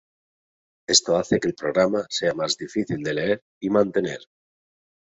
Esto hace que el programa sea más difícil de leer y mantener.